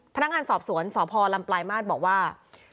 พนักงานสอบสวนสพลำปลายมาตรบอกว่า